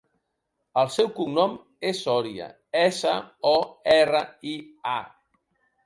El seu cognom és Soria: essa, o, erra, i, a.